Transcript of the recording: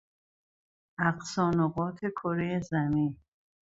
اقصی نقاط کرهی زمین